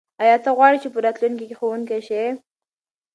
آیا ته غواړې چې په راتلونکي کې ښوونکی شې؟